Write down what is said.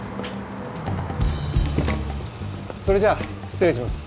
それじゃ失礼します